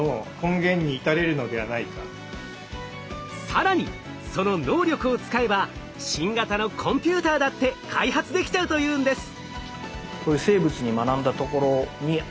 更にその能力を使えば新型のコンピューターだって開発できちゃうというんです。